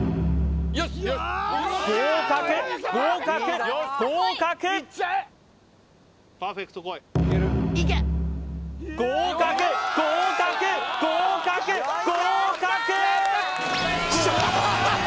合格合格合格合格合格合格合格！